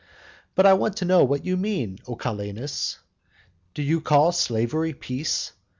But I want to know what you mean, O Calenus? Do you call slavery peace?